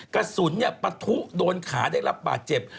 กระสุนปะทุโดนขาได้รับบาดเจ็บ